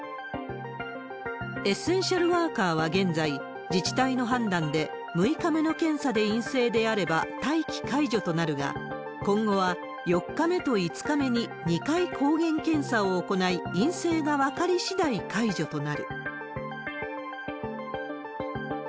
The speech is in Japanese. エッセンシャルワーカーは現在、自治体の判断で、６日目の検査で陰性であれば待機解除となるが、今後は４日目と５日目に２回抗原検査を行い、陰性が分かり次第解除となる。